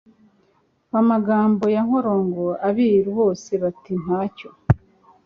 b' amagambo ya Nkoronko. Abiru bose bati natcyo